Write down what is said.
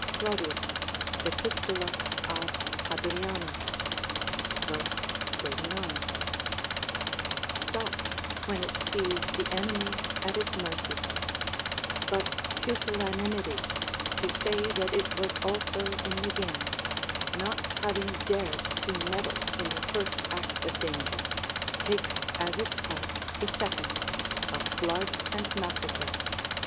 Claudius, Ep. ad Hadrianum, v. 39.] stops when it sees the enemy at its mercy; but pusillanimity, to say that it was also in the game, not having dared to meddle in the first act of danger, takes as its part the second, of blood and massacre.